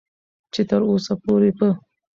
چې تر اوسه پورې په